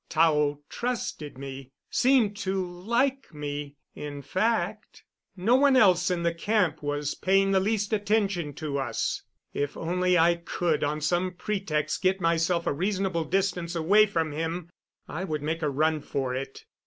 Tao trusted me seemed to like me, in fact. No one else in the camp was paying the least attention to us. If only I could, on some pretext, get myself a reasonable distance away from him I would make a run for it.